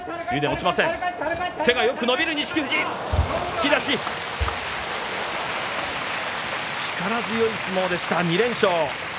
突き出し力強い相撲でした２連勝。